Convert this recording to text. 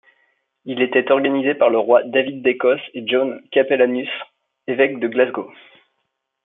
Il était organisé par le roi David d’Écosse et John Capellanus, évêque de Glasgow.